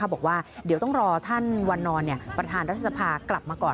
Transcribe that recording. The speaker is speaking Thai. บอกว่าเดี๋ยวต้องรอท่านวันนอนประธานรัฐสภากลับมาก่อน